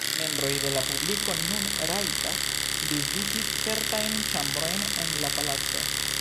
Membroj de la publiko nun rajtas viziti certajn ĉambrojn en la palaco.